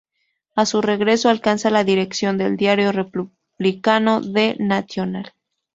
A su regreso alcanza la dirección del diario republicano Le National.